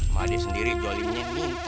mah dia sendiri zolimnya